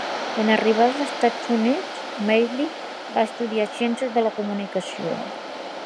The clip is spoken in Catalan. En arribar als Estats Units, Meili va estudiar ciències de la comunicació.